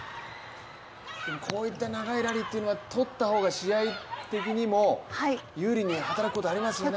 こういった長いラリーというのは取った方が試合的にも有利に働くことありますよね？